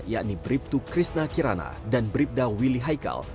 yakni bribtu krishna kirana dan bribda willy haikal